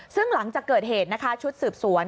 ซึ่งหลังจากเกิดเหตุนะคะชุดสืบสวน